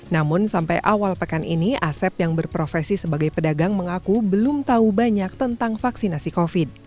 namun sampai awal pekan ini asep yang berprofesi sebagai pedagang mengaku belum tahu banyak tentang vaksinasi covid